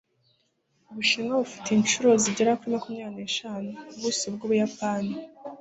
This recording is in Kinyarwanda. ubushinwa bufite inshuro zigera kuri makumyabiri n'eshanu ubuso bwubuyapani